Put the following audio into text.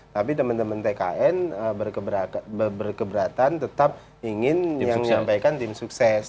tapi teman teman tkn berkeberatan tetap ingin yang menyampaikan tim sukses